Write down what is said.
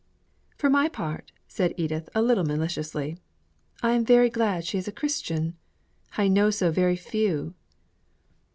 "For my part," said Edith, a little maliciously, "I am very glad she is a Christian. I know so very few!"